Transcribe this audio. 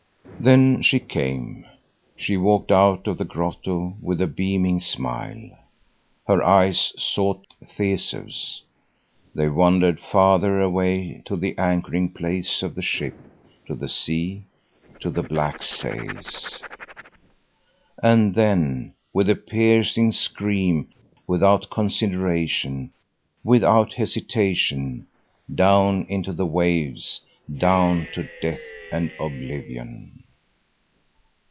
Then she came. She walked out of the grotto with a beaming smile. Her eyes sought Theseus, they wandered farther away to the anchoring place of the ship, to the sea—to the black sails. And then with a piercing scream, without consideration, without hesitation, down into the waves, down to death and oblivion.